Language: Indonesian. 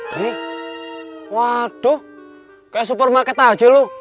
ini waduh kayak supermarket aja loh